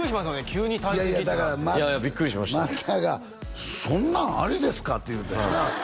急に退席っていやいやビックリしました松也が「そんなんありですか？」って言うたんよな